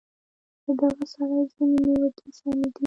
د دغه سړي ځینې نیوکې سمې دي.